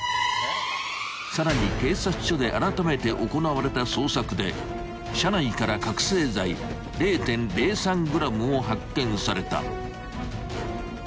［さらに警察署であらためて行われた捜索で車内から覚醒剤０．０３ｇも発見された］